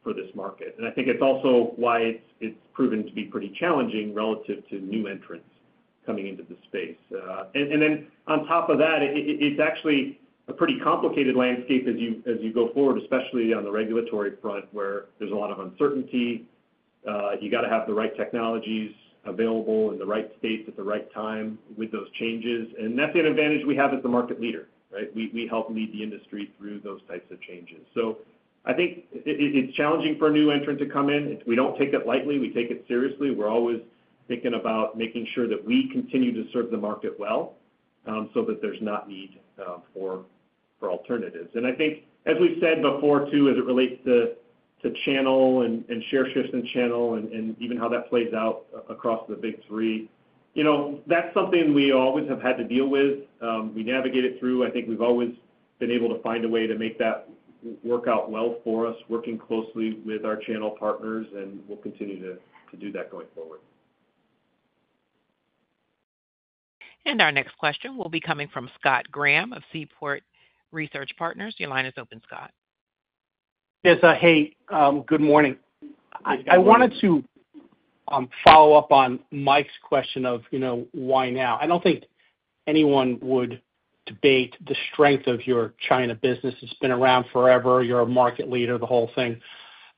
for this market. I think it is also why it is proven to be pretty challenging relative to new entrants coming into the space. On top of that, it is actually a pretty complicated landscape as you go forward, especially on the regulatory front where there is a lot of uncertainty. You have got to have the right technologies available in the right state at the right time with those changes. That is the advantage we have as the market leader, right? We help lead the industry through those types of changes. I think it is challenging for a new entrant to come in. We do not take it lightly. We take it seriously. We are always thinking about making sure that we continue to serve the market well so that there is not need for alternatives. I think, as we have said before too, as it relates to channel and share shifts in channel and even how that plays out across the big three, that is something we always have had to deal with. We navigate it through. I think we have always been able to find a way to make that work out well for us, working closely with our channel partners, and we will continue to do that going forward. Our next question will be coming from Scott Graham of Seaport Research Partners. Your line is open, Scott. Yes. Hey, good morning. I wanted to follow up on Mike's question of why now. I don't think anyone would debate the strength of your China business. It's been around forever. You're a market leader, the whole thing.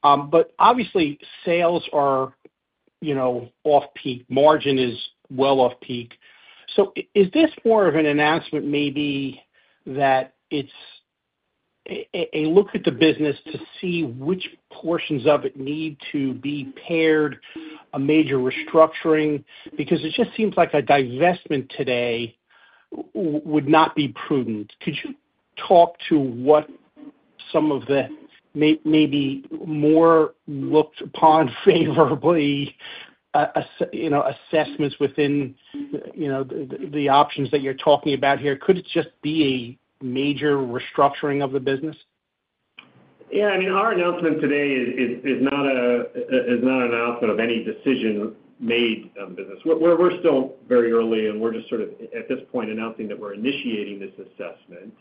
Obviously, sales are off-peak. Margin is well off-peak. Is this more of an announcement maybe that it's a look at the business to see which portions of it need to be pared, a major restructuring? It just seems like a divestment today would not be prudent. Could you talk to what some of the maybe more looked upon favorably assessments within the options that you're talking about here? Could it just be a major restructuring of the business? Yeah. I mean, our announcement today is not an announcement of any decision made on the business. We're still very early, and we're just sort of at this point announcing that we're initiating this assessment.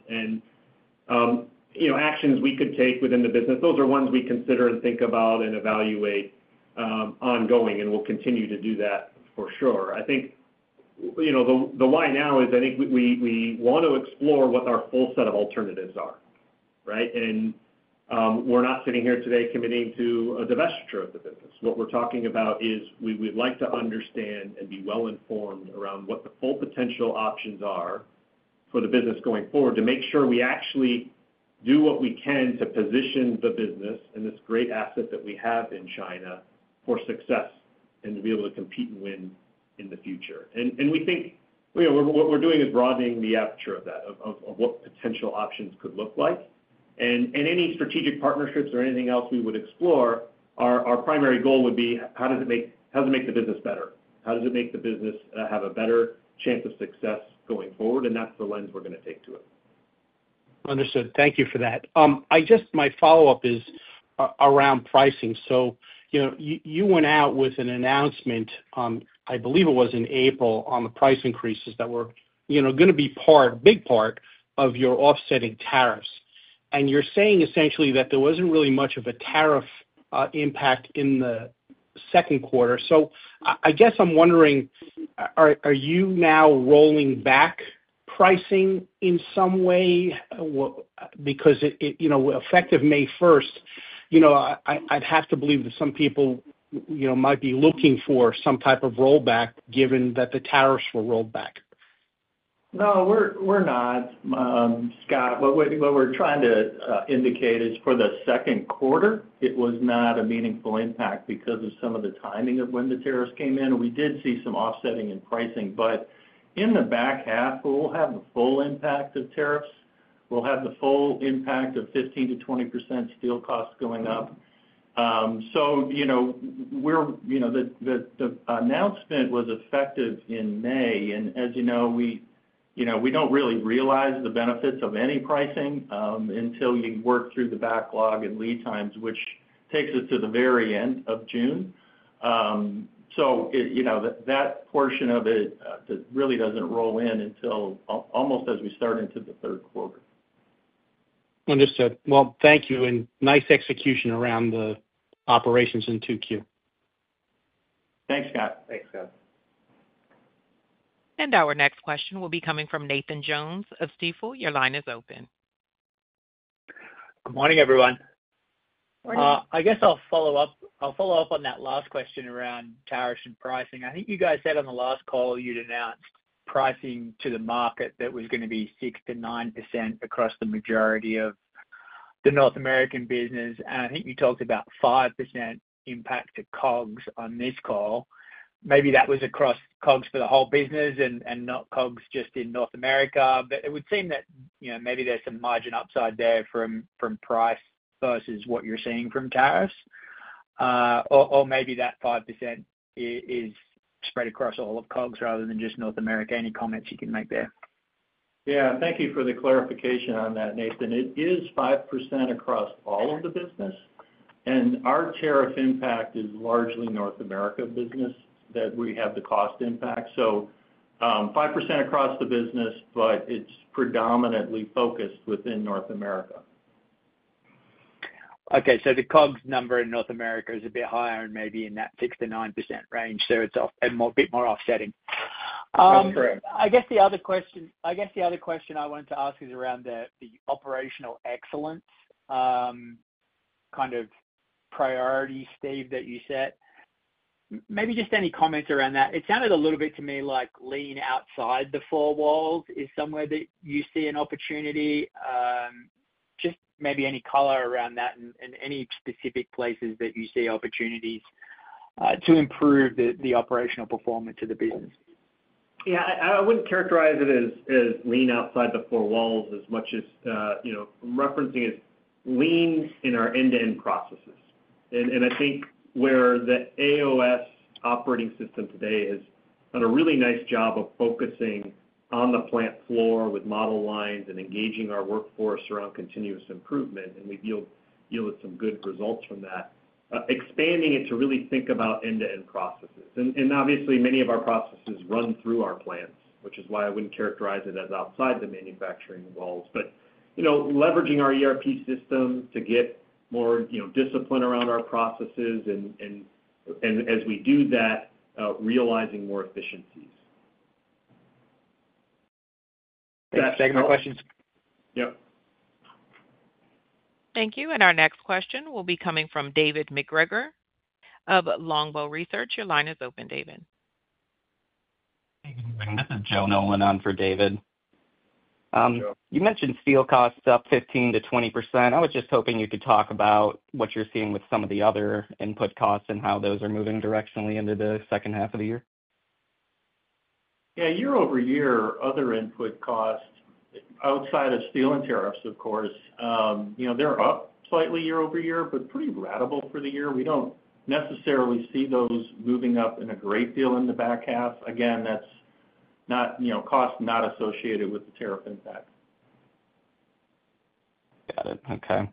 Actions we could take within the business, those are ones we consider and think about and evaluate ongoing, and we'll continue to do that for sure. I think the why now is I think we want to explore what our full set of alternatives are, right? We're not sitting here today committing to a divestiture of the business. What we're talking about is we would like to understand and be well-informed around what the full potential options are for the business going forward to make sure we actually do what we can to position the business and this great asset that we have in China for success and to be able to compete and win in the future. We think what we're doing is broadening the aperture of that, of what potential options could look like. Any strategic partnerships or anything else we would explore, our primary goal would be, how does it make the business better? How does it make the business have a better chance of success going forward? That's the lens we're going to take to it. Understood. Thank you for that. My follow-up is around pricing. You went out with an announcement, I believe it was in April, on the price increases that were going to be a big part of your offsetting tariffs. You are saying essentially that there was not really much of a tariff impact in the second quarter. I guess I am wondering. Are you now rolling back pricing in some way? Because effective May 1st, I would have to believe that some people might be looking for some type of rollback given that the tariffs were rolled back. No, we're not, Scott. What we're trying to indicate is for the second quarter, it was not a meaningful impact because of some of the timing of when the tariffs came in. We did see some offsetting in pricing. In the back half, we'll have the full impact of tariffs. We'll have the full impact of 15%-20% steel costs going up. The announcement was effective in May. As you know, we do not really realize the benefits of any pricing until you work through the backlog and lead times, which takes us to the very end of June. That portion of it really does not roll in until almost as we start into the third quarter. Understood. Thank you. Nice execution around the operations in 2Q. Thanks, Scott. Our next question will be coming from Nathan Jones of Stifel. Your line is open. Good morning, everyone. I guess I'll follow up on that last question around tariffs and pricing. I think you guys said on the last call you'd announced pricing to the market that was going to be 6%-9% across the majority of the North American business. I think you talked about 5% impact to COGS on this call. Maybe that was across COGS for the whole business and not COGS just in North America. It would seem that maybe there's some margin upside there from price versus what you're seeing from tariffs? Or maybe that 5% is spread across all of COGS rather than just North America. Any comments you can make there? Yeah. Thank you for the clarification on that, Nathan. It is 5% across all of the business. Our tariff impact is largely North America business that we have the cost impact. 5% across the business, but it is predominantly focused within North America. Okay. The COGS number in North America is a bit higher and maybe in that 6-9% range. It is a bit more offsetting. That's correct. I guess the other question I wanted to ask is around the operational excellence. Kind of priority, Steve, that you set. Maybe just any comments around that. It sounded a little bit to me like lean outside the four walls is somewhere that you see an opportunity. Just maybe any color around that and any specific places that you see opportunities to improve the operational performance of the business. Yeah. I would not characterize it as lean outside the four walls as much as referencing as lean in our end-to-end processes. I think where the AOS operating system today has done a really nice job of focusing on the plant floor with model lines and engaging our workforce around continuous improvement, and we have yielded some good results from that. Expanding it to really think about end-to-end processes. Obviously, many of our processes run through our plants, which is why I would not characterize it as outside the manufacturing walls. Leveraging our ERP system to get more discipline around our processes. As we do that, realizing more efficiencies. Thanks for taking my questions. Yep. Thank you. Our next question will be coming from David McGregor of Longbow Research. Your line is open, David. Hey, good morning. This is Joe Nolan on for David. You mentioned steel costs up 15%-20%. I was just hoping you could talk about what you're seeing with some of the other input costs and how those are moving directionally into the second half of the year? Yeah. Year-over-year, other input costs, outside of steel and tariffs, of course, they're up slightly year-over-year, but pretty ratable for the year. We don't necessarily see those moving up in a great deal in the back half. Again, that's cost not associated with the tariff impact. Got it. Okay.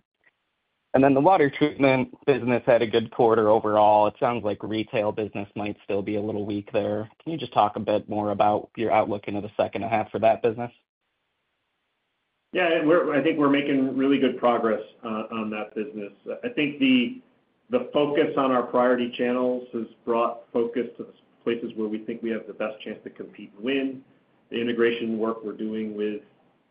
The water treatment business had a good quarter overall. It sounds like retail business might still be a little weak there. Can you just talk a bit more about your outlook into the second half for that business? Yeah. I think we're making really good progress on that business. I think the focus on our priority channels has brought focus to the places where we think we have the best chance to compete and win. The integration work we're doing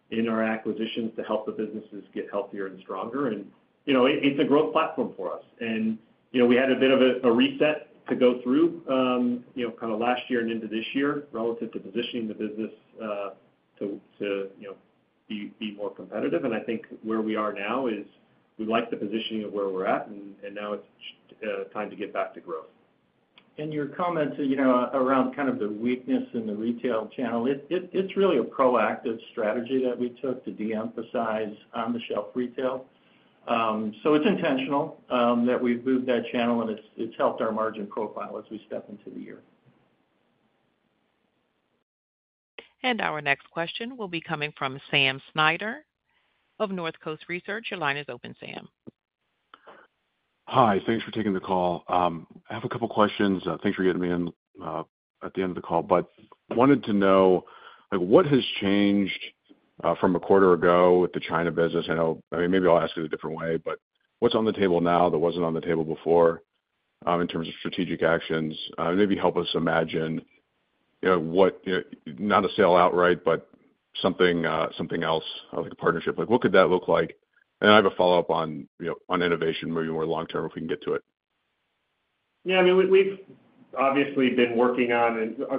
in our acquisitions to help the businesses get healthier and stronger, and it's a growth platform for us. We had a bit of a reset to go through kind of last year and into this year relative to positioning the business to be more competitive. I think where we are now is we like the positioning of where we're at, and now it's time to get back to growth. Your comments around kind of the weakness in the retail channel, it's really a proactive strategy that we took to de-emphasize on-the-shelf retail. It's intentional that we've moved that channel, and it's helped our margin profile as we step into the year. Our next question will be coming from Sam Snyder of Northcoast Research. Your line is open, Sam. Hi. Thanks for taking the call. I have a couple of questions. Thanks for getting me in at the end of the call. I wanted to know what has changed from a quarter ago with the China business? I mean, maybe I'll ask it a different way, what's on the table now that wasn't on the table before in terms of strategic actions? Maybe help us imagine. Not a sale outright, but something else like a partnership. What could that look like? I have a follow-up on innovation moving more long-term if we can get to it. Yeah. I mean, we've obviously been working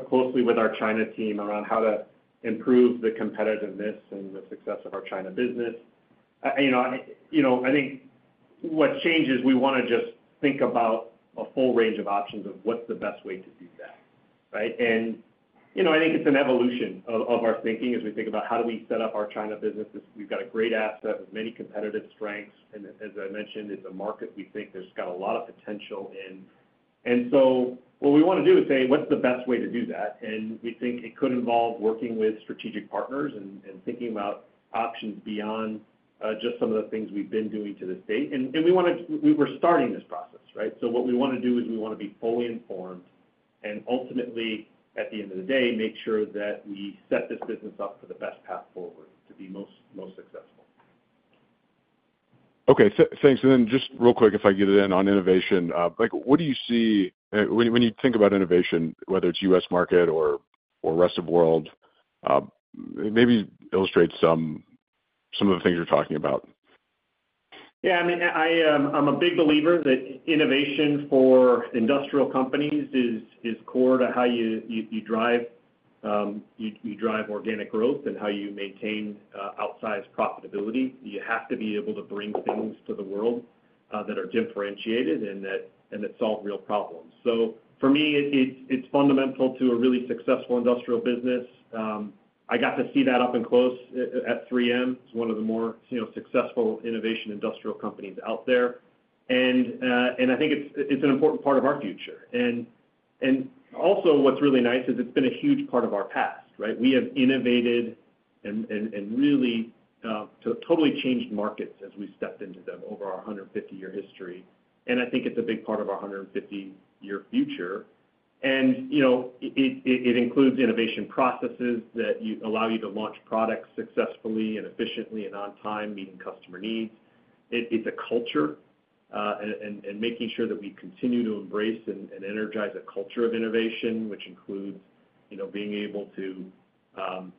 closely with our China team around how to improve the competitiveness and the success of our China business. I think what changes, we want to just think about a full range of options of what's the best way to do that, right? I think it's an evolution of our thinking as we think about how do we set up our China business. We've got a great asset with many competitive strengths. As I mentioned, it's a market we think there's got a lot of potential in. What we want to do is say, what's the best way to do that? We think it could involve working with strategic partners and thinking about options beyond just some of the things we've been doing to this date. We're starting this process, right? What we want to do is we want to be fully informed and ultimately, at the end of the day, make sure that we set this business up for the best path forward to be most successful. Okay. Thanks. And then just real quick, if I get it in on innovation, what do you see when you think about innovation, whether it's U.S. market or Rest of World? Maybe illustrate some of the things you're talking about. Yeah. I mean, I'm a big believer that innovation for industrial companies is core to how you drive organic growth and how you maintain outsized profitability. You have to be able to bring things to the world that are differentiated and that solve real problems. For me, it's fundamental to a really successful industrial business. I got to see that up close at 3M. It's one of the more successful innovation industrial companies out there. I think it's an important part of our future. Also, what's really nice is it's been a huge part of our past, right? We have innovated and really totally changed markets as we stepped into them over our 150-year history. I think it's a big part of our 150-year future. It includes innovation processes that allow you to launch products successfully and efficiently and on time, meeting customer needs. It's a culture. Making sure that we continue to embrace and energize a culture of innovation, which includes being able to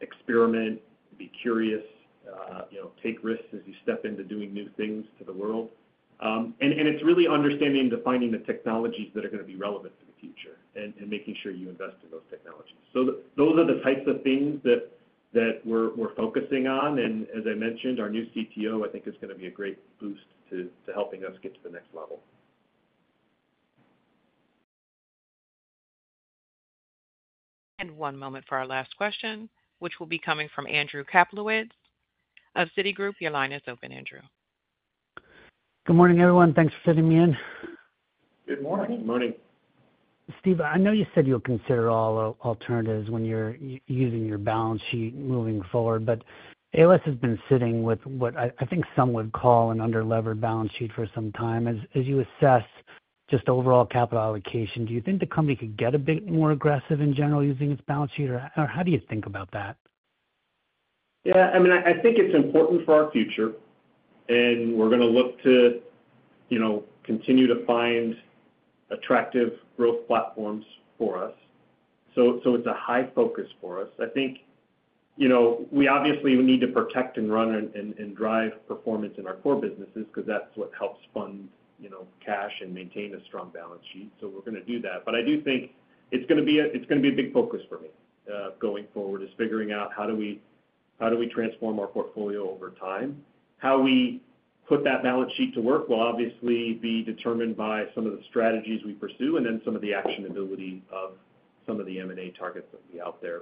experiment, be curious, take risks as you step into doing new things to the world. It's really understanding and defining the technologies that are going to be relevant for the future and making sure you invest in those technologies. Those are the types of things that we're focusing on. As I mentioned, our new CTO, I think, is going to be a great boost to helping us get to the next level. One moment for our last question, which will be coming from Andrew Kaplowitz of Citigroup. Your line is open, Andrew. Good morning, everyone. Thanks for sitting me in. Good morning. Steve, I know you said you'll consider all alternatives when you're using your balance sheet moving forward, but A. O. Smith has been sitting with what I think some would call an under-levered balance sheet for some time. As you assess just overall capital allocation, do you think the company could get a bit more aggressive in general using its balance sheet, or how do you think about that? Yeah. I mean, I think it's important for our future. We're going to look to continue to find attractive growth platforms for us. It's a high focus for us. I think we obviously need to protect and run and drive performance in our core businesses because that's what helps fund cash and maintain a strong balance sheet. We're going to do that. I do think it's going to be a big focus for me going forward is figuring out how do we transform our portfolio over time. How we put that balance sheet to work will obviously be determined by some of the strategies we pursue and then some of the actionability of some of the M&A targets that will be out there.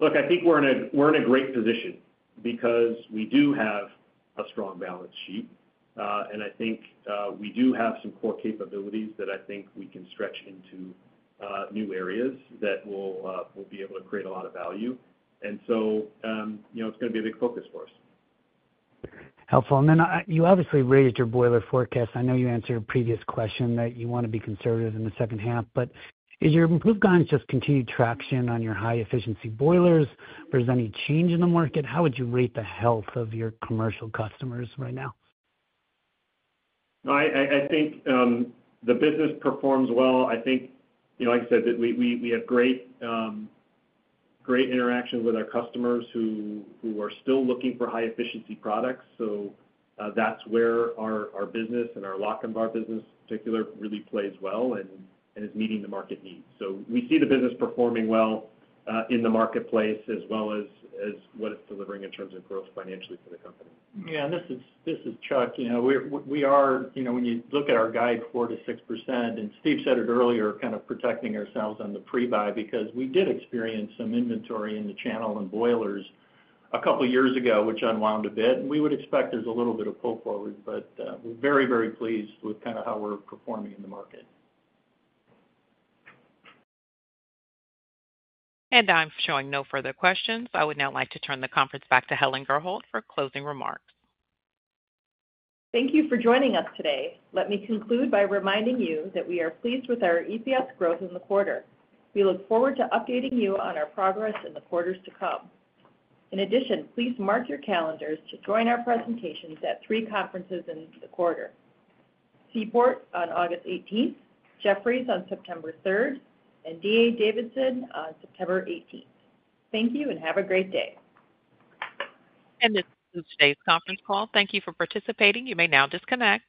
Look, I think we're in a great position because we do have a strong balance sheet. I think we do have some core capabilities that I think we can stretch into new areas that will be able to create a lot of value. It's going to be a big focus for us. Helpful. You obviously raised your boiler forecast. I know you answered a previous question that you want to be conservative in the second half. Is your improved guidance just continued traction on your high-efficiency boilers? Is there any change in the market? How would you rate the health of your commercial customers right now? I think the business performs well. I think, like I said, we have great interaction with our customers who are still looking for high-efficiency products. That is where our business and our Lochinvar business, in particular, really plays well and is meeting the market needs. We see the business performing well in the marketplace as well as what it is delivering in terms of growth financially for the company. Yeah. This is Chuck. We are, when you look at our guide, 4%-6%. Steve said it earlier, kind of protecting ourselves on the pre-buy because we did experience some inventory in the channel and boilers a couple of years ago, which unwound a bit. We would expect there is a little bit of pull forward, but we are very, very pleased with kind of how we are performing in the market. I am showing no further questions. I would now like to turn the conference back to Helen Gurholt for closing remarks. Thank you for joining us today. Let me conclude by reminding you that we are pleased with our EPS growth in the quarter. We look forward to updating you on our progress in the quarters to come. In addition, please mark your calendars to join our presentations at three conferences in the quarter. Seaport on August 18th, Jefferies on September 3rd, and D.A. Davidson on September 18th. Thank you and have a great day. This is today's conference call. Thank you for participating. You may now disconnect.